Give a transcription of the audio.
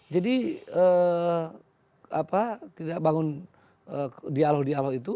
jadi kita bangun dialog dialog itu